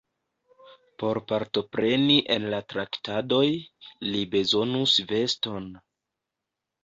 Por partopreni en la traktadoj, li bezonus veston.